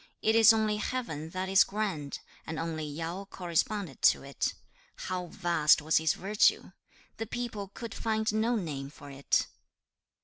It is only Heaven that is grand, and only Yao corresponded to it. How vast was his virtue! The people could find no name for it.